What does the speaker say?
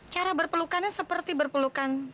cara berpelukannya seperti berpelukan